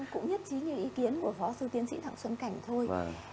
cũng nhất trí như ý kiến của phó sư tiến sĩ thằng xuân cảnh thôi